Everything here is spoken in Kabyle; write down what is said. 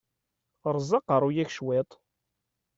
Ṛṛeẓ aqeṛṛu-yik cwiṭ!